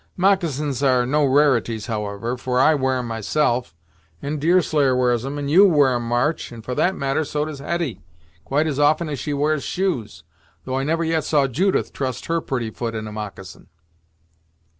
Moccasins are no rarities, however, for I wear 'em myself; and Deerslayer wears 'em, and you wear 'em, March, and, for that matter so does Hetty, quite as often as she wears shoes, though I never yet saw Judith trust her pretty foot in a moccasin."